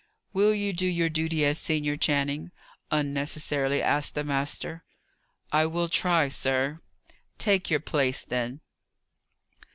"Will you do your duty as senior, Channing?" unnecessarily asked the master. "I will try, sir." "Take your place, then."